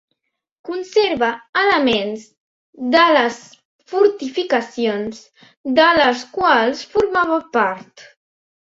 Conserva elements de les fortificacions, de les quals formava part.